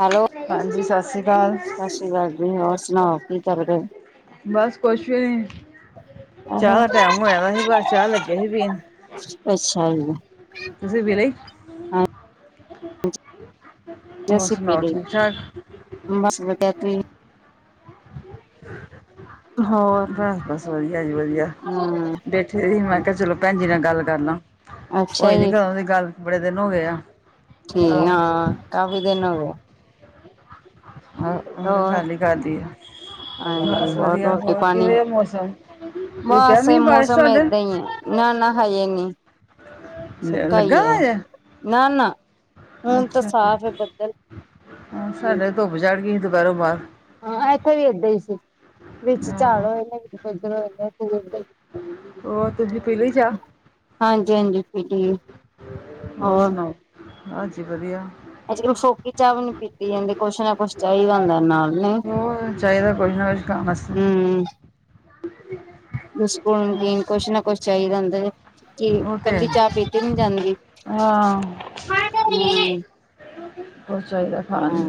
Hello, ਹਾਂਜੀ ਸਤਿ ਸ੍ਰੀ ਅਕਾਲ ਸਤਿ ਸ਼੍ਰੀ ਅਕਾਲ ਜੀ, ਹੋਰ ਸੁਣਾਓ ਕੀ ਕਰ ਰਹੇ ਹੋ? ਬਸ ਕੁਛ ਵੀ ਨੀ, ਚਾਹ ਦਾ ਟੈਮ ਹੋਇਆ ਸੀ, ਬਸ ਚਾਹ ਲੱਗੇ ਸੀ ਪੀਣ। ਅੱਛਾ ਜੀ। ਤੁਸੀ ਵੇਲੇ ਈ ਹੋਰ ਜੈਸੀੇ ਸੁਣਾਓ ਪੀਲੇ ਠੀਕ ਠਾਕ ਬਸ ਵਲੈਤੀ ਹੋਰ [unintelligible] ਬਸ ਬਸ ਵਧੀਆ ਜੀ ਵਧੀਆ ਹਮ ਬੈਠੇ ਰ ਮੈਂ ਕਿਹਾ ਚਲੋ। ਭੈਣ ਜ ਨਾਲ ਗੱਲ ਕਰ ਲਾਂ ਅੱਛਾ ਹੋਈ ਨੀ ਜੀ ਕਦੋਂ ਦੀ ਗੱਲ ਬੜੇ ਦਿਨ ਹੋ ਗਏ ਆ। ਠੀਕ ਆਹ ਹਾਂ ਕਾਫੀ ਦਿਨ ਹੋ ਗਏ ਉਹ ਹੋਰ ਗਾਲ ਈ ਕਰਦੀ ਆ। ਹਾਂਜੀ ਬਸ ਵਧੀਆ ਰੋਟੀ ਹੋਰ ਪਾਣੀ ਕੀਵੈ ਦਾ ਮੌਸਮ ਰੁਕਿਆ ਬਸ ਨਿ ਬਾਰਿਸ਼ ਮੌਸਮ ਤੁਹਾਡੇ। ਏਦਾਂ ਹੀ ਹੈ ਨਾ ਨਾ ਹਜੇ ਨੀ ਸੁਕਾ ਹੀ ਲੱਗਾ ਵਾ ਹੈ ਹਜੇ ਹੁਣ ਤਾਂ ਅੱਛਾ ਜੀ ਸਾਫ਼ ਹੈ ਬੱਦਲ ਹਾਂ ਸਾਡੇ ਹਾਂਜੀ ਧੁੱਪ ਚੜ ਗਈ ਸੀ ਦੁਪਹਿਰੋਂ ਬਾਅਦ। ਹਾਂ ਇੱਥੇ ਵੀ ਏਦਾਂ ਹੀ ਸੀ ਵਿੱਚ ਝਾੜ ਹਾਂ ਹੋਏ ਨੇੱਰ ਬਦਲ ਲੱਗਿਆ ਹੋਏ ਨੇ। ਹੋ ਤੁਸੀਂ ਪਹਿਲੀ ਚਾਹ। ਹਾਂਜੀ ਹਾਂਜੀ ਪੀਲੀ। ਹੋਰ ਸੁਣਾਓ ਹਾਂਜੀ ਵਧੀਆ। ਅੱਜ ਕੱਲ੍ਹ ਫੋਕੀ ਚਾਹ ਵੀ ਨੀ ਪੀਤੀ ਜਾਂਦੀ, ਕੁਛ ਨਾ ਕੁਛ ਚਾਹੀਦਾ ਹੁੰਦਾ ਨਾਲ। ਨਹੀਂ ਉਹ ਚਾਹੀਦਾ ਕੁਛ ਨਾ ਕੁਛ ਖਾਣ ਵਾਸਤੇ। ਬਿੱਸਕੁਟ ਨਮਕੀਨ ਕੁਛ ਨਾ ਕੁਛ ਚਾਹੀਦਾ ਹੁੰਦਾ। ਕਿ ਉਹ ਤੇ ਇਕੱਲੀ ਹੈ। ਚਾਹ ਪੀ ਕੇ ਨੀ ਜਾਂਦੀ। ਹਾਂ, ਕੁਝ ਚਾਹੀਦਾ ਖਾਨ ਨੂੰ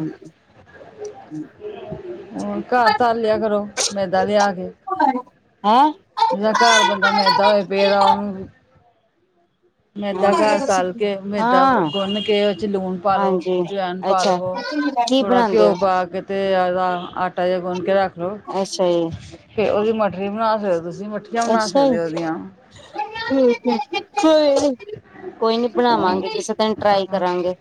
ਹ ਘਰ ਤਰ ਲਿਆ ਕਰੋ ਮੈਦਾ ਲਿਆ ਕੇ। ਹੈਂ। ਜਿਹੜਾ ਘਰ ਬੰਦਾ ਮੈਦਾ ਹੋਏ ਪਏਦਾ ਉਹਨੂੰ। ਮੈਦਾ ਘਰ ਤਲ ਕੇ ਮੈਦਾ ਗੁੰਨ ਕੇ ਉਹ ਚ ਲੂਣ ਪਾਾਲੋ ਹਾਂਜੀ ਜਵੈਨ ਪਾ ਅੱਛਾ ਲਵੋ। ਕੀ ਥੋੜਾ ਬਣਾਉਂਦੇ ਘਿਓ ਹੋ ਪਾ ਕੇ ਤੇ ਆਦਾ ਆਟਾ ਜਿਹਾ ਗੁੰਨ ਕੇ ਰੱਖ ਲੋ। ਅੱਛਾ ਜੀ ਫਿਰ ਉਹਦੀ ਮਠਰੀ ਵੀ ਬਣਾ ਸਕਦੇ ਤੁਸੀਂ ਮਠਰੀ ਅੱਛਾ ਜੀ ਠੀਕ ਹੈ ਕੋਈ ਨੀ ਬਣਾਵਾਂਗੇ ਕਿਸੇ ਦਿਨ ਟਰਾਈ ਉਹਦੀਆਂ। ਕਰਾਂਗੇ।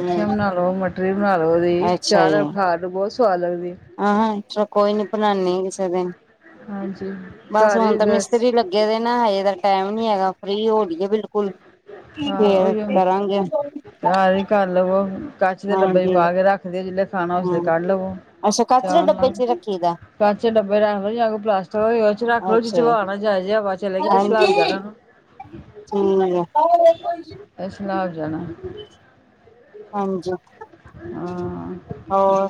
ਹਮ ਬਣਾ ਲਉ ਮਟਰਰੀ ਬਣਾ ਲਉ, ਉਹਦੀ ਚਾਹ ਨਾਲ ਖਾਆਲੋ ਬਹੁਤ ਸਵਾਦ ਲੱਗਦੀ। ਆਹਾਂ ਚਲੋ ਕੋਈ ਨੀ ਬਣਾਦੇ ਆ, ਕਿਸੇ ਦਿਨ ਹਾਂਜੀ ਬਸ ਘਰ ਹੀ ਹੁਣ ਤਾਂ ਮਿਸਤਰੀ ਲਗੇ ਅੱਗੇ ਦੇ ਨਾ ਹਜੇ ਤਾਂ ਟਾਈਮ ਨੀ ਹੈਗਾ ਫ੍ਰਰੀ ਹੋ ਬਿਲਕੁਲ ਫਰ ਕਰਾਂਗੇ। ਸਾਰੇ ਕੱਲ ਲਵੋ ਹੁਨ ਕਛ ਦੇ ਡੱਬੇ ਚ ਹਾਂਜੀ ਪਾ ਕੇ ਰੱਖਦੇਓ, ਜਿਹੇ ਖਾਣਾ ਉਸਦੇ ਹਾਂ ਕੱਢ ਲਵੋ ਅੱਛਾ ਕਚਰੇ ਚਾਹ ਡੱਬੇ ਨਾਲ। ਚ ਰੱਖੀ ਦਾ ਕੱਚੇਦੇ ਡੱਬੇ ਰੱਖ ਲਓ ਜਾਂ ਕੋਈ ਪਲਾਸਟਿਕ ਹੋ, ਉਹ ਚ ਰੱਖ ਲਓ ਚ ਅੱਛਾ ਚਬਣਾ ਜਾ ਜੇ ਹਵਾ ਜੀ ਚਲੇਗੀ ਤੇ ਹਾਂਜੀ ਸਲਾਬ ਜਾਣਾ ਨੂੰ। ਠੀਕ ਆ। ਸਾਲਬ ਜਾਣਾ। ਹਾਂਜੀ। ਹਾਂ ਹੋਰ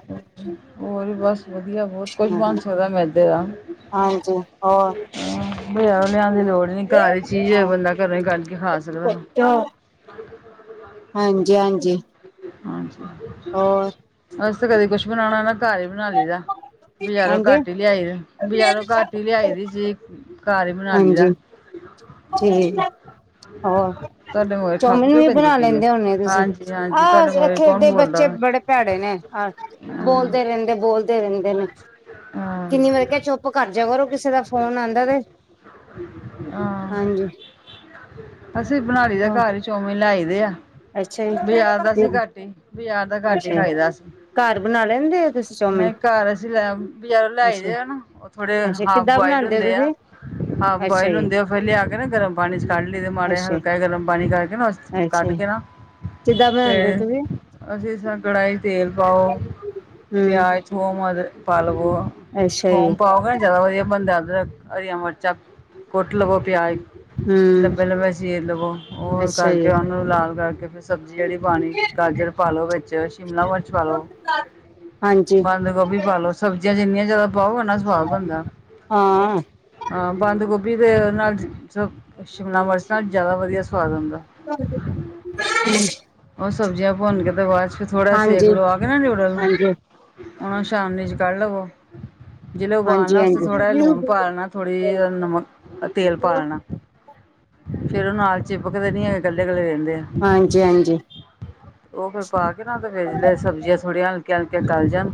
ਹੋਰ ਬਸ। ਵਧੀਆ ਬਹੁਤ ਕੁਛ ਹਮ ਬਣ ਸਕਦਾ ਮੈਦੇ ਦਾ। ਹਾਂਜੀ ਹੋਰ ਬਾਜਰ ਲੇ ਕ ਆ ਲਿਆਉਣ ਦੀ ਲੋੜ ਨੀ ਘਰ ਹੀ ਚੀਜ਼ ਹਾਂ ਬੰਦਾ ਘਰੋਂ ਹੀ ਕਦ ਕੇ ਖਾ ਸਕਦਾ ਹੈ ਜੌ ਹਾਂਜੀ ਹਾਂਜੀ। ਹਜੀ ਹੋਰ ਅਸੀ ਤਾਂ ਕਦੇ ਕੁਛ ਬਣਾਉਣਾ ਨਾ ਘਰ ਹੀ ਬਣਾ ਲਈ ਦਾ। ਬਜ਼ਾਰੋਂ ਹਾਂਜੀ ਘੱਟ ਹੀ ਲਿਆਈ ਬਜਾਰੋਂ ਘੱਟ ਹੀ ਲਿਆਈ ਦੀ ਸੀ ਘਰ ਹੀ ਬਨਾ ਲਾਇਦਾ। ਹਾਂਜੀ ਠੀਕ ਹੋਰ ਤੁਹਾਡੇ ਮੂਹਰੇ ਖੱਪ ਚੌਮਿਨ ਕਿਉਂ ਵੀ ਪੈਂਦੀ ਬਣਾ ਪਈ ਹੈ ਲੈਂਦੇ ਹਦੇ ਤੁਸੀਂ ਹਾਂਜੀ ਆ ਹਾਂਜੀ ਤੁਹਾਡੇ ਮੂਹਰੇ ਇੱਥੇ ਕੌਣ ਦੇ ਬੋਲਦਾ ਬੱਚੇ ਵਾ। ਬੜੇ ਭੈੜੇ ਨੇ ਹਾਂ ਬੋਲਦੇ ਰਹਿੰਦੇ ਬੋਲਦੇ ਰਹਿੰਦੇ ਨੇ ਹਾਂ ਕਿੰਨੀ ਵਾਰ ਕਿਆ ਚੁੱਪ ਕਰ ਜਾਇਆ ਕਰੋ ਕਿਸੇ ਦਾ ਫੋਨ ਆਂਦਾ ਤੇ ਹਾਂ ਹਾਂਜੀ ਅਸੀਂ ਬਣਾ ਲਈ ਦਾ ਹਾਂ ਘਰ ਚੋਮਿਨ ਲੈਈ ਦੇ ਆ। ਅੱਛਾ ਬਾਜ਼ਾਰ ਦਾ ਈ। ਅਸੀਂ ਘੱਟ ਈ ਬਾਜ਼ਾਰ ਦਾ ਘੱਟ ਈ ਖਾਈਦਾ ਅਸੀਂ- ਘਰ ਬਣਾ ਲੈਂਦੇ ਹੋ ਤੁਸੀਂ ਚੌਮਿਨ ਨਈ ਘਰ ਅਸੀਂ ਲੈ ਬਜਾਰੋਂ ਲੈ ਆਈ ਦੇ ਅੱਛਾ ਆ ਨਾ ਉ- ਥੋੜੇ ਅੱਛਾ ਹਾਫ਼ ਕਿੱਦਾਂ ਬੁਆਇਲ ਬਣਾਉਂਦੇ ਹੋ ਹੁੰਦੇ ਆ। ਤੁਸੀਂ ਹਾਫ਼ ਅੱਛਾ ਬੋਆਇਲ ਜੀ ਹੁੰਦੇ ਆ ਫਿਰ ਲਿਆ ਕੇ ਨਾ ਗਰਮ ਪਾਣੀ 'ਚ ਕੱਢ ਲਈ ਦੇ ਮਾੜਾ ਅੱਛਾ ਹਲਕਾ ਗਰਮ ਪਾਣੀ ਕਰਕੇ ਨਾ ਉਸ ਕੱਢ ਅੱਛਾ ਕੇ ਨਾ। ਕਿੱਦਾਂ ਬਣਾਂਦੇ ਹੋ ਤੇ ਤੁਸੀਂ ਅਸੀਂ ਤਾ ਕੜਾਈ ਹੀ ਤੇਲ ਪਾਓ ਹਮ ਪਿਆਜ, ਥੋਮ, ਅਦਰਕ ਪਾ ਲਵੋ। ਅੱਛਾ ਜੀ ਥੋਮ ਪਾਓਗੇ ਨਾ ਜਾਦਾ ਵਧੀਆ ਬਣਦਾ ਹਰੀਆਂ ਮਿਰਚਾਂ ਕੁੱਟ ਲਵੋ ਪਿਆਜ ਹਮ ਲੰਬੇ-ਲੰਬੇ ਚੀਰ ਲਵੋ ਉਹ ਅੱਛਾ ਕਰਕੇ ਜੀ ਉਹਨੂੰ ਲਾਲ ਕਰਕੇ ਫਿਰ ਸਬਜ਼ੀ ਜਿਹੜੀ ਪਾਣੀ ਗਾਜਰ ਪਾ ਲੋ ਵਿੱਚ ਸ਼ਿਮਲਾ ਮਿਰਚ ਪਾ ਲੋ ਹਾਂਜੀ ਬੰਦ ਗੋਭੀ ਪਾ ਲੋ ਸਬਜ਼ੀਆਂ ਜਿੰਨੀਆਂ ਜਾਦਾ ਪਾਓ ਉਨਾ ਸਵਾਦ ਬਣਦਾ। ਹਾਂ ਬੰਦ ਗੋਭੀ ਦੇ ਨਾਲ ਸ ਸ਼ਿਮਲਾ ਮਿਰਚ ਨਾਲ ਜਾਦਾ ਵਧੀਆ ਸਵਾਦ ਆਂਦਾ। [inaudible] ਓ ਸਬਜ਼ੀਆਂ ਭੁੰਨ ਕੇ ਤੇ ਬਾਦ 'ਚ ਫਿਰ ਥੋੜ੍ਹਾ ਹਾਂਜੀ ਸੇਕ ਲਵਾ ਕੇ ਨਾ ਨਿਊਡਲ ਨੂੰ ਹਾਂਜੀ ਉਨੂੰ ਛਾਣਣੀ 'ਚ ਕੱਢ ਲਵੋ। ਜਿਲੇ ਹਾਂਜੀ ਹਾਂਜੀ ਉਬਾਲਣਾ ਉਸ ਤੇ ਥੋੜ੍ਹਾ ਜਿਹਾ ਲੂਣ ਪਾ ਲੈਣਾ ਥੋੜ੍ਹੀ ਜਿਹੀ ਨਮਕ ਤੇਲ ਪਾ ਲੈਣਾ ਫਿਰ ਉਹ ਨਾਲ ਚਿਪਕਦੇ ਨੀ ਹੈਗੇ ਕੱਲੇ-ਕੱਲੇ ਰੈਂਦੇ ਆ। ਹਾਂਜੀ-ਹਾਂਜੀ ਉਹ ਫਿਰ ਪਾ ਕੇ ਨਾ ਤੇ ਫਿਰ ਸਬਜ਼ੀਆਂ ਥੋੜ੍ਹੀਆਂ ਹਲਕੀਆਂ-ਹਲਕੀਆਂ ਗਲ ਜਣ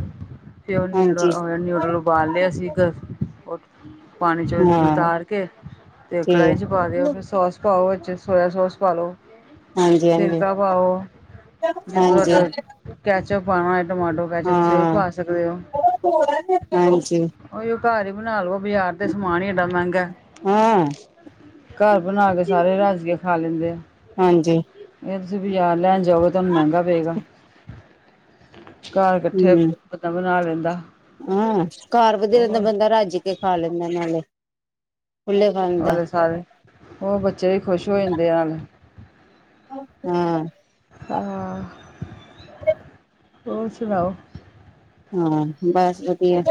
ਤੇ ਓ ਹਾਂਜੀ ਹਾਂਜੀ ਨਿਊਡਲ-ਨਿਊਡਲ ਉਬਾਲ ਲਿਆ ਸੀ ਤਾ ਓ ਪਾਣੀ 'ਚ ਹਾਂ ਉਤਾਰ ਕੇ ਤੇ ਕੜਾਹੀ 'ਚ ਪਾ ਦਿਓ ਫਿਰ ਸੋਸ ਪਾਓ ਵਿੱਚ ਸੋਇਆ ਸੋਸ ਪਾ ਲਓ। ਹਾਂਜੀ-ਹਾਂਜੀ ਸਿਰਕਾ ਪਾਓ ਜੇ ਤੁਹਾਡਾ ਕੈਚਅਪ ਪਾਉਣਾ ਹੈ ਟਮਾਟੋ ਵੈਸੇ ਤੁਸੀਂ ਉਹ ਵੀ ਹਾਂ ਪਾ ਸਕਦੇ ਹੋ। ਹਾਂਜੀ ਉਹੀੳ ਘਾਰ ਹੀ ਬਣਾ ਲੋ ਬਾਜ਼ਾਰ ਤੇ ਸਮਾਨ ਹੀ ਏਡਾ ਮਹਿੰਗਾ। ਹਾਂ ਘਰ ਬਣਾ ਕੇ ਸਾਰੇ ਰੱਜ਼ ਕੇ ਖਾ ਲੈਂਦੇ ਆ। ਹਾਂਜੀ ਇਹ ਤੁਸੀਂ ਵੀ ਬਾਜ਼ਰ ਲੈਣ ਜਾਓਗੇ ਤੁਹਾਨੂੰ ਮਹਿੰਗਾ ਪਏਗਾ। ਘਰ ਕੱਠੇ ਹਮ ਪਤਾ ਬਣਾ ਲੈਂਦਾ। ਹਾਂ ਘਰ ਵਧੀਆ ਰੈਂਦਾ ਉਹ ਬੰਦਾ ਰੱਜ ਕੇ ਖਾ ਲੈਂਦਾ ਨਾਲੇ ਖੁੱਲੇ ਖਾਣ ਦਾ ਓ ਸਾਰੇ ਬੱਚੇ ਵੀ ਖੁਸ਼ ਹੋ ਜਾਂਦੇ ਆ ਨਾਲੇ ਹੂੰ ਆਂ [inaudible] ਹੋਰ ਸੁਣਾਓ। ਹਾਂ ਬਸ ਵਧੀਆ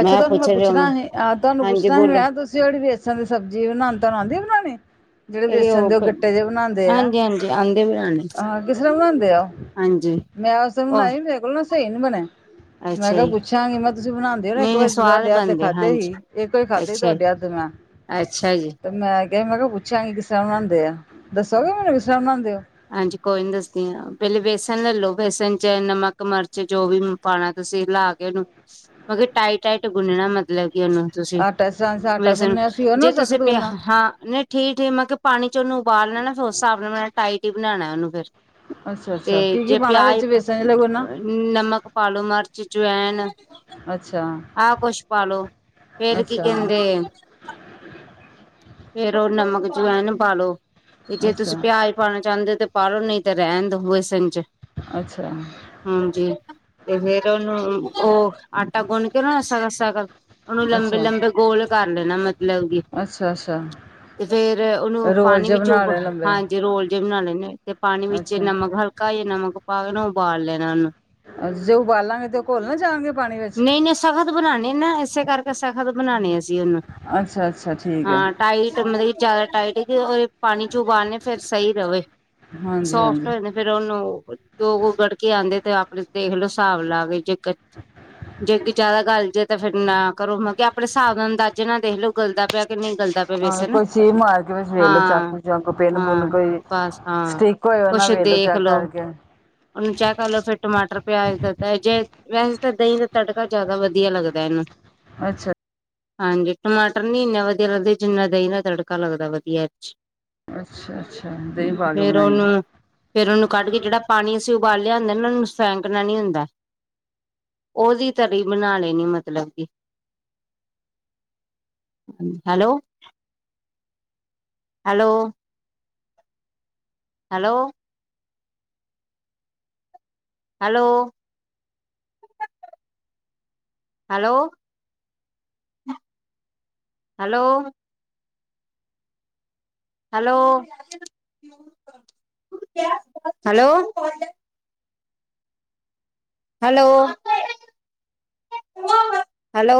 ਅੱਛਾ ਤੁਆਨੂੰ ਮੈਂ ਪੁੱਛਣਾ ਹੀ ਹ ਤੁਆਨੂੰ ਹਾਂਜੀ ਪੁੱਛਣਾ ਹੀ ਬੋਲੋ ਮੈਂ ਤੁਸੀਂ ਹੋ ਵੇਸਣ ਦੀ ਸਬਜ਼ੀ ਬਣਾਂਦੇ ਤੁਆਨੂੰ ਆਂਦੀ ਬਣਾਣੀ। ਜਿਹੜੇ ਵੇਸਣ ਦੇ ਉਹ ਗੱਟੇ ਜਿਹੇ ਬਣਾਂਦੇ ਆ। ਤੇ ਆਂਦੀ ਬਣਾਣੀ। ਹਾਂ ਕਿਸ ਤਰਾਂ ਬਣਾਉਂਦੇ ਉਹ, ਮੈਂ ਉਸ ਤਰਾਂ ਉਹ ਬਣਾਈ ਮੇਰੇ ਕੋਲੋਂ ਨਾ ਸਹੀ ਨਹੀਂ ਬਣੇ। ਮੈਂ ਅੱਛਾ ਕਿਹਾ ਜੀ ਪੁੱਛਾਂਗੀ ਮੈਂ, ਤੁਸੀਂ ਬਣਾਉਂਦੇ ਹੋ ਨਾ ਇੱਕ ਨਹੀਂ ਨਹੀਂ ਵਾਰੀ ਸਵਾਦ ਤੁਹਾਡੇ ਹੱਥ ਤੇ ਬਣਦੇ ਖਾਧੇ ਹੀ। ਹਾਂਜੀ ਇਕ ਕੋਈ ਖਾਧੇ ਹੀ ਅੱਛਾ ਜੀ ਤੁਹਾਡੇ ਹੱਥ ਦੇ ਮੈਂ। ਅੱਛਾ ਜੀ। ਤੇ ਮੈਂ ਕਿਹਾ ਮੈਂ ਕਿਹਾ ਪੁੱਛਾਂਗੀ ਕਿਸ ਤਰਾਂ ਬਣਾਉਂਦੇ ਆ, ਦੱਸੋਗੇ ਮੈਨੂੰ ਕਿਸ ਤਰਾਂ ਬਣਾਉਂਦੇ ਹੋ। ਹਾਂਜੀ ਕੋਈ ਨੀ ਦੱਸਦੀ ਹ, ਪਹਿਲੇ ਬੇਸਨ ਲੈ ਲੋ ਬੇਸਨ ਚ ਨਮਕ, ਮਿਰਚ ਜੋ ਵੀ ਪਾਣਾ ਤੁਸੀਂ ਮਿਲਾ ਕੇ ਉਹਨੂੰ ਟਾਈਟ- ਟਾਈਟ ਗੁੰਨਣਾ ਮਤਲਬ ਕਿ ਉਹਨੂੰ। ਤੁਸੀਂ ਆਟਾ ਇਸ ਤਰ੍ਹਾਂ ਅਸੀਂ ਆਟਾ ਵੈਸਨ ਗੁੰਨਿਆ ਸੀ ਜੇ ਉਹਨੂੰ ਸਖਤ ਤੁਸੀਂ ਪਿਆ ਗੁੰਨਾ ਹਾਂ। ਠੀਕ- ਠੀਕ ਮੈਂ ਕਿਹਾ ਪਾਣੀ ਚ ਉਹਨੂੰ ਉਬਾਲ ਲੇਣਾ ਫੇਰ ਉਸ ਹਿਸਾਬ ਨਾਲ ਟਾਈਟ ਹੀ ਬਣਾਉਣਾ ਉਹਨ ਫੇਰ। ਅੱਛਾ- ਅੱਛਾ, ਕੀ-ਕੀ ਪਾਉਣਾ ਵਿੱਚ ਵੇਸ- ਨਮਕ ਪਾਲੋ ਮਿਰਚ, ਜਵੈਨ ਅੱਛਾ। ਆਹ ਕੁਸ਼ਪਾਲੋ ਫੇਰ ਕੀ ਅੱਛਾ ਕਿਹਿੰਦੇ ਫੇਰ ਉਹ ਨਮਕ, ਜਵੈਨ ਪਾਲੋ। ਤੇ ਅੱਛਾ ਜੇ ਤੁਸੀਂ ਅੱਛਾ ਪਿਆਜ ਪਾਉਣਾ ਚਾਹੁੰਦੇ ਹੋ ਤੇ ਪਾਲੋ ਨਹੀਂ ਤਾਂ ਰਹਿਣ ਦੋ ਵੇਸਨ ਚ। ਅੱਛਾ। ਹਾਂਜੀ ਤੇ ਫੇਰ ਉਹਨੂੰ ਉਹ ਆਟਾ ਗੁੰਨ ਕੇ ਉਹ ਨਾ ਸਖਾ-ਸਖਾ। ਉਹਨੂੰ ਲੰਬੇ- ਲੰਬੇ ਗੋਲ ਕਰ ਲੈਣਾ ਮਤਲਬ ਕਿ, ਅੱਛਾ- ਅੱਛਾ। ਤੇ ਫੇਰ ਉਹਨੂੰ ਰੋਲ ਪਾਣੀ ਜੇ ਵਿੱਚ ਉਬ, ਬਣਾਣੇ ਲੰਬੇ ਹਾਂਜੀ। ਤੇ ਰੋਲ ਜਿਹੇ ਬਣਾਣੇ ਨੇ, ਤੇ ਪਾਣੀ ਵਿੱਚ ਅੱਛਾ ਨਮਕ ਹਲਕਾ ਜ ਨਮਕ ਪਾ ਕੇ ਉਬਾਲ ਲੈਣਾ ਉਹਨੂੰ। ਅ ਜੇ ਉਬਾਲਾਂਗੇ ਤੇ ਉਹ ਘੋਲ ਨਾ ਜਾਣਗੇ ਪਾਣੀ ਵਿੱਚ। ਸਖਤ ਬਣਾਉਣੇ ਨਾ ਇਸੇ ਕਰਕੇ ਸਖਤ ਬਣਾਉਣੇ ਅਸੀਂ ਉਹਨੂੰ। ਅੱਛਾ ਅੱਛਾ ਠੀਕ ਹੈ ਹਾਂ ਟਾਈਟ ਮਤਲਬ ਕਿ ਜਿਆਦਾ ਟਾਈਟ, ਉਹ ਪਾਣੀ ਚ ਉਗਾਉਣੇ ਫੇਰ ਸਹੀ ਰਵੇ, ਹਾਂਜੀ ਹਾਂਜੀ ਸੋਫਟ ਹੋ ਜਾਂ। ਫੇਰ ਉਹਨੂੰ ਦੋ ਗੋ ਗੜਕੇ ਆਉਂਦੇ ਤੇ ਆਪਣੇ ਦੇਖ ਲਓ ਹਿਸਾਬ ਲਾ ਕੇ ਜੇ ਜੇ ਕੋ ਜ਼ਿਆਦਾ ਗੱਲ ਜੇ ਤਾਂ ਫੇਰ ਨਾ ਕਰੋ ਮਤਲਬ ਕਿ ਆਪਣੇ ਹਿਸਾਬ ਨਾਲ ਅੰਦਾਜ਼ੇ ਨਾਲ ਦੇਖ ਲਓ ਗਲ ਦਾ- ਪਿਆ ਕਿ, ਨਹੀਂ ਗਲਦਾ ਪਿਆ ਹਾਂ ਵੇਸਨ, ਕੋਈ ਚੀਜ਼ ਮਾਰ ਕੇ ਵਿੱਚ ਵੇਖ ਲੋ ਹਾਂ। ਚਾਕੂ ਚਾਕੂ ਪਿੰਨ ਪੁੰਨ ਹਾਂ ਕੋਈ ਬਸ ਹਾਂ ਸਟਿਕ ਹੋਏ ਉਹ ਨਾ ਕੁਛ ਵੇਖ ਲੋ ਚੈੱਕ ਦੇਖਲੋ। ਕਰਕੇ ਉਹਨੂੰ ਚੇ ਕਰ ਲੋ ਫੇਰ ਟਮਾਟਰ, ਪਿਆਜ ਦਿੱਤਾ ਹੈ ਜੇ। ਵੈਸੇ ਤਾਂ ਦਹੀਂ ਦਾ ਤੜਕਾ, ਜ਼ਿਆਦਾ ਵਧੀਆ ਲੱਗਦਾ ਇਹਨੂੰ। ਅੱਛਾ। ਹਾਂਜੀ ਟਮਾਟਰ ਨੀ ਇੰਨੇ ਵਧੀਆ ਲੱਗਦੇ, ਜਿੰਨਾ ਦਹੀਂ ਦਾ ਤੜਕਾ ਲੱਗਦਾ ਵਧੀਆ ਐਚ। ਅੱਛਾ- ਅੱਛਾ ਦਹੀਂ ਪਾਲੋ ਫੇਰ ਐਨਾਚ। ਉਹਨੂੰ ਫੇਰ ਉਹਨੂੰ ਕੱਢ ਕੇ ਜਿਹੜਾ ਪਾਣੀ ਅਸੀਂ ਉਬਾਲਿਆ ਹੁੰਦਾ ਨਾ, ਉਹਨੂੰ ਫੈਂਕਣਾ ਨਹੀਂ ਹੁੰਦਾ। ਉਹਦੀ ਤਰੀ ਬਣਾ ਲੈਣੀ ਮਤਲਬ ਕਿ। Hello. Hello. Hello. Hello, hello. Hello. Hello, hello. Hello, hello.